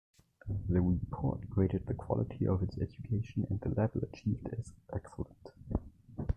The report graded the quality of its education and the level achieved as "excellent".